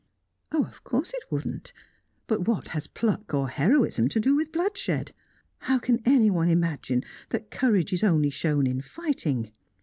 "Of course it wouldn't. But what has pluck or heroism to do with bloodshed? How can anyone imagine that courage is only shown in fighting?